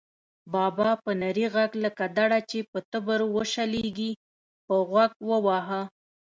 بابا په نري غږ لکه دړه چې په تبر وشلېږي، په غوږ وواهه.